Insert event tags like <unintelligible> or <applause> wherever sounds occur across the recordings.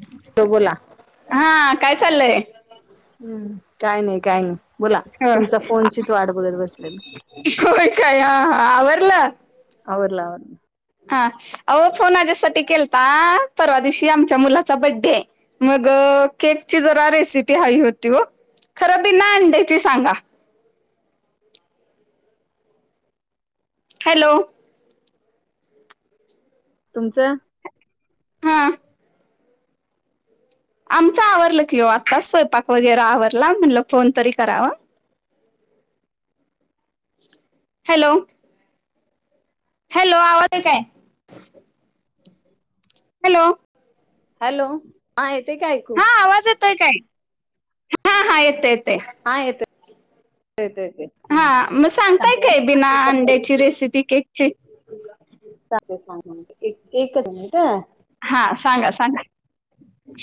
हा. तो बोला. हा काय चाललंय. हम् काय नाही काय नाही बोला तुमचा फोनचीच वाट बघत बसलेली. होय काय हा हा आवरलं. आवरला. हा अह फोन आज्यासाठी केलता परवा दिवशी आमच्या मुलाचा बड्डे मग केकची जरा रेसिपी हवी होती खराबी ना आण्याची सांगा. हॅलो. तुमचं? हा. आमच आवरलं की हो आत्ता स्वयंपाक वगैरे आवरला म्हणलं फोन तरी करावा. हॅलो. हॅलो आवाज काय? हॅलो. हॅलो हा येते काय ऐकू हा आवाज येतोय काय हा हा येत येते. हा येत. येत येते हा मग सांगताय सांगते काय बिना अंड्याची रेसिपी केकची ते सांगून एक एक <unintelligible> हा सांगा सांगा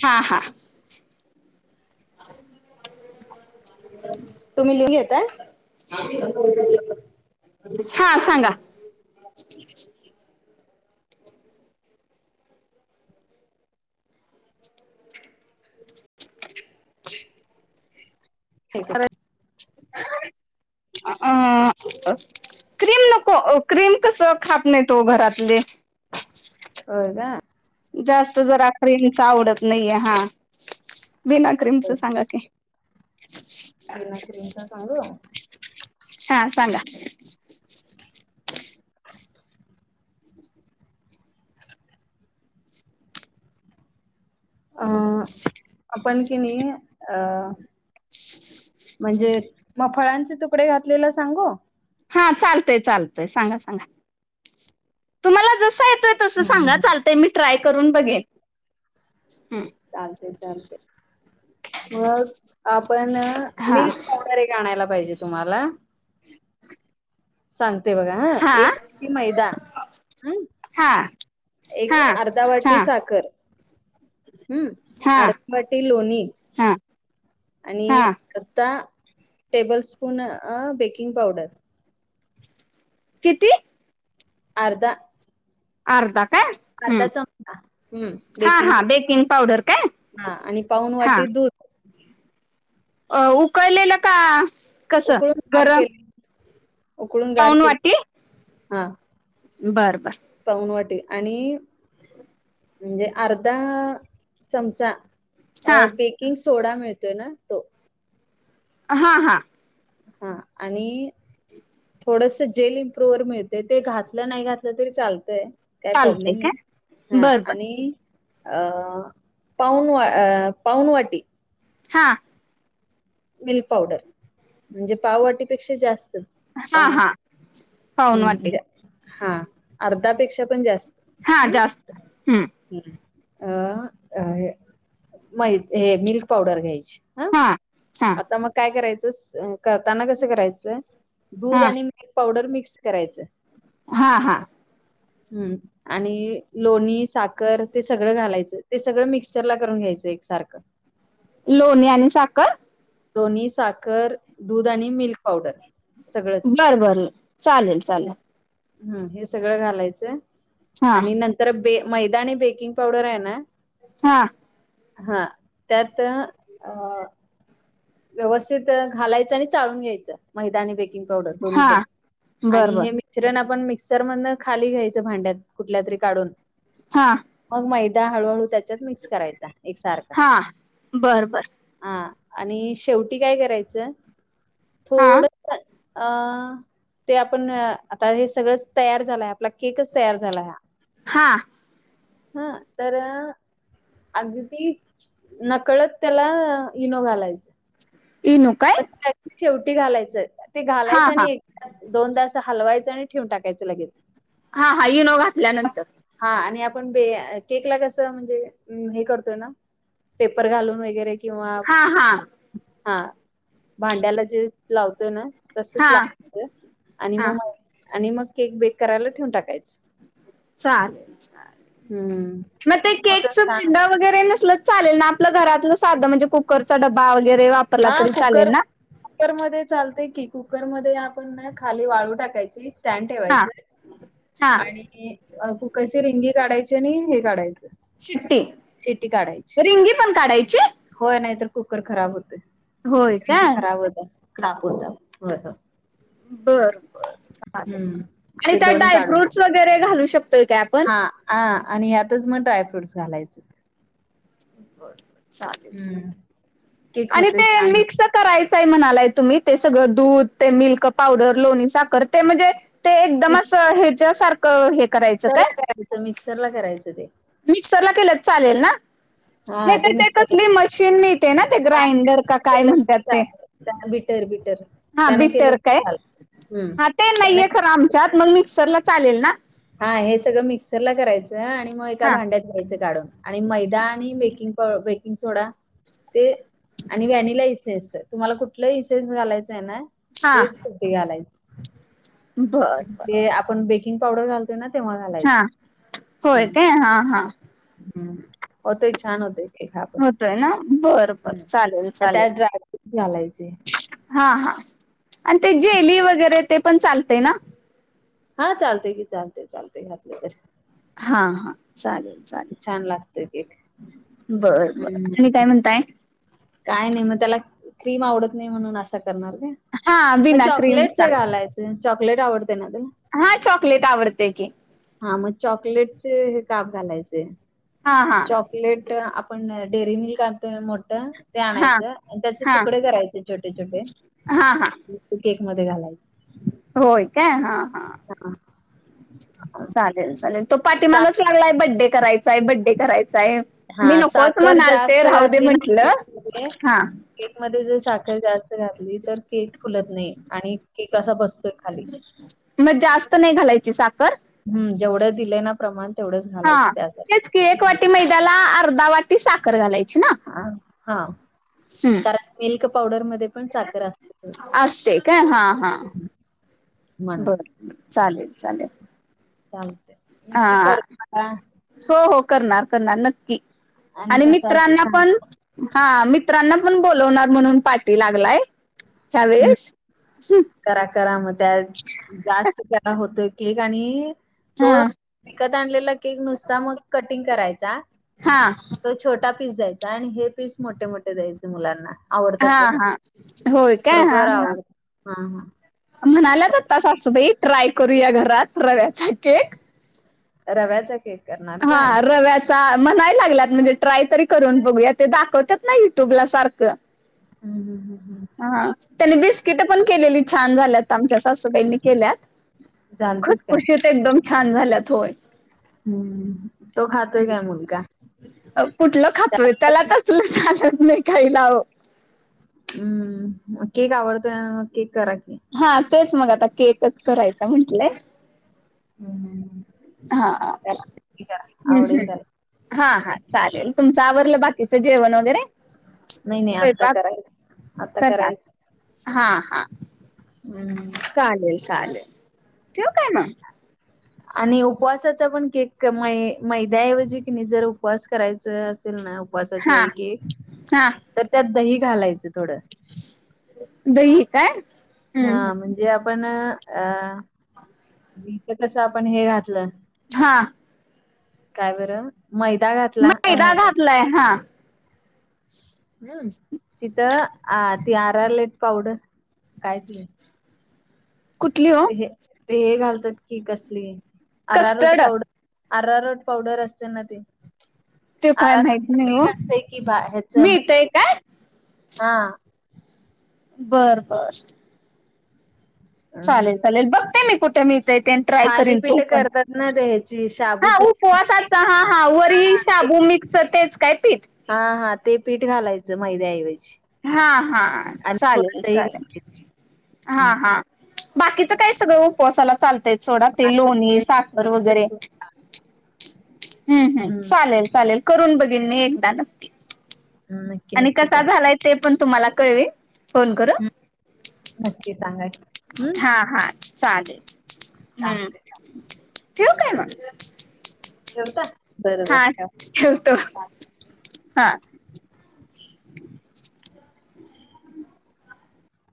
हा हा. हा. तुम्ही लिह येतय. हा सांगा. <unintelligible> हा. अ क्रीम नको क्रीम कसं खात नाही तो घरातले. हो का? जास्त जरा क्रीमच आवडत नाहीये हा बिना क्रीमच सांगा की हा. बिना क्रीमचा सांगू हा सांगा. अं आपण कि नाही अं म्हणजे मग फळांचे तुकडे घातलेला सांगू हा चालतय चालतय सांगा सांगा तुम्हाला जस येतय. तस हम्म सांगा हम्म. चालतय मी ट्राय करून बघेन. चालते चालते मग आपण हा मिल्क पावडर एक. आणायला पाहिजे तुम्हाला सांगते बघा हा एकी मैदा ह. हा हा एक अर्धा वाटी हा साखर हम्म हा आरमबाटी लोणी हा आणि हा आता टेबल स्पून बेकिंग पावडर किती? अर्धा. अर्धा का? अर्धा हम्. चमचा हम्म हा बेकिंग हा बेकिंग पावडर काय? हा आणि पाऊन हा. वाटी दूध अ. उकळलेलं का कस? उकळून गार गरम. केले उकळून गार पाऊन केले. वाटी हा. बर बर. पाऊण वाटी आणि- म्हणजे अर्धा चमचा हा बेकिंग सोडा मिळतो ना तो. हा हां. हा. आणि- थोडस जेल इम्प्रुवर मिळतय. ते घातलं नाही घातलं तरी चालतय. काही चालतंय प्रॉब्लेम नाही. काय हा बर बर आणि- अ. पाऊण वा, अ पाऊण वाटी. हां. Milk powder. म्हणजे पाववाटीपेक्षा जास्त. हा हा. पाऊण वाटी. ज हा. अर्धापेक्षा पण जास्त. हा. जास्त हम्म. अ. अ नाही हे मिल्क पावडर घ्यायची. हा? हा आता मग काय करायचं. करताना कसं करायच दूध हा आणि- मिल्क पावडर मिक्स करायचं. हा हा. हम्म. आणि लोणी साखर ते सगळं घालायचं. ते सगळं मिक्सरला करून घ्यायचं एकसारखं. लोणी आणि साखर? लोणी, साखर दूध आणि मिल्क. पावडर सगळंच बर बर. चालेल चालेल. हम. हे सगळं घालायचंय हा आणि नंत- तर बे मैदा आणि बेकिंग पावडर आहे ना? हा. हा. त्यात अ- व्यवस्थित घालायचं आणि चाळुन घ्यायचं. मैदा आणि बे- किंग पावडर दोन्ही हा प बर आणि बर हे मी - श्रण आपण मिक्सर मधन खाली घ्यायचं भांड्यात कुठल्या तरी काढून. हां. मग मैदा हळूहळू त्याच्यात मिक्स करायचा एक सारखा. हा बर बर हा. आणि शेवटी काय करायचं? हा थोड- अं? ते आपण आता हे सगळंच तयार झालंय. आपला केकच तयार झालाय हा. हा. हं. तर- अगदी नकळत त्याला इनो घालायचं. इनो काय? पण अगदी शेवटी घालायचंय. ते हा घालायचं आणि हा एक- दोनदा अस हलवायच आणि ठेवून टाकायचं लगेच. हा हा. इनो घातल्यानंतर. हा. आणि आपण बे, केकला कसं म्हणजे हे करतो ना? पेपर घालून वगैरे किंवा हा हा हा. भांड्याला जे लावतो ना? तसच हा लावायचं आणि हा मग- आणि मग केक बेक करायला ठेवून टाकायचं. चाल. हम्म मग ते मटन केकच छान भीडा वगैरे नसल. चालेल ना आपलं घरातलं साधं म्हणजे कुकरचा डबबा वगैरे वाप हा कुकर कुकर मध्ये चालते की कुकर मध्ये आपण ना खाली वाळू टाकायची. स्टँड हा ठेवायच हा आणि कुकर ची रिंगी काढायची आणि हे काढायचं शिट्टी, शिट्टी काढायची. रिंगी पण काढायची. होय नाही. तर कुकर खराब होत. होय रिंगी काय खराब होत्या. तापून तापून. व्हय हो. बर बर चालेल आणि ते त्या त्यात दोन्ही काढून टाक. ड्रायफ्रूट्स वगैरे घालू शकतोय काय आपण? हा आणि यातच मग ड्रायफ्रुट् घालायचं. होय, चालेल. हम्म. केक आणि होतोय ते छान होतो. मिक्स करायचंय म्हणालाय तुम्ही ते सगळं दूध ते मिल्क, पावडर लोणी साखर ते म्हणजे ते एकदमच मिक्स असं हेच्या सारखं हे करायचं काय. मिक्सरला करायचं मिक्सरला करायचं ते. मिक्सरला केले तर चालेल ना? नाही हा तर ते तसली मिक्सरला मशीन मिळते. ना ते हां ग्राइंडर का काय केलं म्हणतात तरी ते? चालेल. त्यानं बिटर बिटर हा त्यानं केलं बिटर तरी काय. चालेल. हं. हा ते त्यानं नाहीे खरं केलं आमच्यात मग मिक्सर ला चालेल ना? हा हे सगळं मिक्सर ला करायचं आणि मग एका हा भांड्यात घ्यायच काढून आणि मैदा आणि बेकिंग बेकिंग सोडा. ते आणि व्हॅनिला इसेन्स तुम्हाला कुठलं इसेन्स घालायचं आहे ना. हा तेच तिथ घालायच. बर बर ते आपण बेकिंग पावडर घालतोय ना. तेव्हा हा घालायचं. होय. काय हा हा. हम्म, छान होतय केक आतन. होतोय ना. बर बर चालेल आणि चालेल. त्यात ड्रायफ्रुट्स घालायचे. हा हां आणि ते हं. जेली वगैरे ते पण चालते ना. हा चालते की चालते चालतेय घातलं तर. हा हा चालेल. चालेल. छान लागतोय केक बर बर आणि हम्म काय म्हणताय? काय नाही मग त्याला क्रीम आवडत नाही म्हणून असं करणार का? हा मग बिना क्रीमचा चॉकलेटचे घालायचे चॉकलेट आवडते ना तर. हा चॉकलेट आवडते की. हा मग चॉकलेटचे हे काप घालायचे. हा हा. लेट आपण डेरीमिल्क आणतोय ना मोठ. ते हा आणायचं आणि त्याचे हा तुकडे करायचे छोटे- छोटे. हा हा केक मध्ये घालायचे. होय काय हा हा. चालेल चालेल. तो सा पाठीमागच लागलाय बड्डे करायचाय बड्डे करायचाय. मी हा नकोच साखर म्हणालते जास्त राहु दे म्हंटलं हा. केक मध्ये जर साखर जास्त घातली. तर केक फुलत नाही आणि केक असा बसतोय खाली. मग जास्त नाही घालायची साखर? हम् जेवढे दिले ना प्रमाण तेवढंच हा घालायचं त्यासाठी. तेच की एक वाटी मैद्याला अर्धा वाटी साखर घालायची. ना हा हा हम्म कारण मिल्क पावडर मध्ये पण साखर असत. असते काय. हा हा म्हणून. बर चालेल चालेल. चालते. हा हो हो करणार करणार नक्की आणि कसं होतंय मित्रांना पण सांगा. हा मित्रांना पण बोलवणार म्हणून पाठी लागलाय. हं. ह्यावेेळेस, हम करा करा मग त्यात जास्त करा होतो केक आणि तो हं, हा विकत आणलेला केक एक नुसता मग कटिंग करायचा. हां.. तो छोटा पीस द्यायचा आणि हे पीस मोठे मोठे द्यायचे मुलांना. आवडतात हा बघा हा होय काय हा खरोखर हा आवडत हा हा म्हणाल्यात आता सासूबाई ट्राय करू या घरात रव्याचा केक. रव्याचाक हा रव्या म्हणाय लागलात म्हणजे ट्राय तरी करून बघूया ते दाखवत ना युट्यूब ला सारखं. अ बबजी हा त्यांनी बिस्किट पण केलेली छान झाल्यात आमच्या सासूबाईंनी केल्यात. जाणतीत खुस काय खुशी होत एकदम छान झाल्यात होय. हम्म तो खातोय काय मुलगा. कुठलं खातवे त्याला तसलं लत नाही खायलाव हम्म केक आवडतोय मग केक करा की. हा तेच मग आता केकच करायचा म्हटलंय. हम् हम्. हा हम् आवडेल हम्म. त्याला हा हा चालेल तुमचं आववरलं बाकीच जेवण वगैरे. नाही नाही आता स्वयंपाक करायचं आता करतात करायचं हा हा. हम्म. चालेल चालेल ठेव काय ना. आणि उपवासाचा पण के मै मैदा्याऐवजी की नाही जर उपवास करायच असेल ना. उपवासाच्या हा पळकी हा तर त्यात दही घालायचं थोडं. दही काय? हा हम्म म्हणजे आपण अीच कस आपण हे घातलं. हा. काय बरं मैदा घातला मैदा. घातलाय हा हम् तिथं अ ती आर आरलेट पावडर. कायती. कुठली? ते हे घालतात की कसली arrowroot custard powder. Arrowroot powder असते ना ते. ते काय माहित आरामच नाही हो पीठ असतय की बा ह्याच मिळतय म्ह काय हा बर बर. चालेल अम चालेल बघते मी कुठे मीळतंय तेन. ट्राय कर तो थालीपीठ पण करतात ना ते ह्याची हा. शाबूच हो असच हा हा वर शाबू मिक्स तेच काय पीठ. हा हा ते पीठ घालायचं मैद्याऐवजी.. हा हा आणि थोडं चालेल दही घालायचं चालेल हा हम्म हा. बाकीचं काय सगळं उपवासाला चालतय सोडा ते असं- लोणी साखर वगैरे. हम्म हम्म चालेल चालेल करून बघीन मी एकदा नक्की. हम्म, नक्की आणि नक्की कसा करा झालाय ते पण तुम्हाला कळवे फोन करून. हम् नक्की सांगाय हम्म. हा हा चालेल हम्म चालतंय ठव काय म केवत. हा ठेवतो हा.